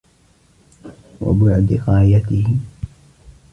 وَبُعْدِ غَايَتِهِ